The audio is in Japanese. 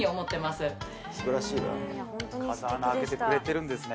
すばらしいわ風穴開けてくれてるんですね